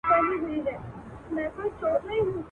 په یوه شپه به پردي سي شته منۍ او نعمتونه.